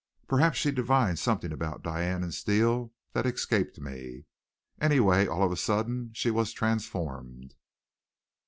Perhaps she divined something about Diane and Steele that escaped me. Anyway, all of a sudden she was transformed.